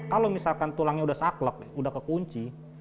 kalau misalkan tulangnya sudah saklek sudah kekunci